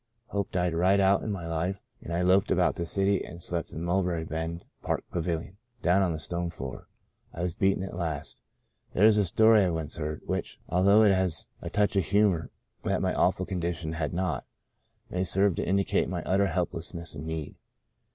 Hope died right out in my life and I loafed about the city, and slept in the Mulberry Bend Park pavilion — down on the stone floor. I was beaten at last. There's a story I once heard, which, although it has a touch of humour that my awful condition had not, may serve to indicate my utter helplessness and need.